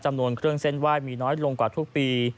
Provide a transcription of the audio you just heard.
จำนวนเครื่องเส้นไหว้มีน้อยลงกว่าทุกปี